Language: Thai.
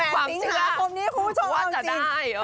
แปลนปี๙ที่ครูไม่ใช้ชั่วโรงพยาบาลวางจริง